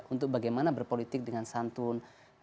untuk bagaimana berpolitik dengan santun